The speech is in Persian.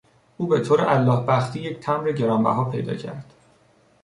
او بهطور الله بختی یک تمبر گرانبها پیدا کرد.